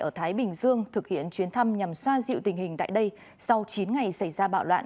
ở thái bình dương thực hiện chuyến thăm nhằm xoa dịu tình hình tại đây sau chín ngày xảy ra bạo loạn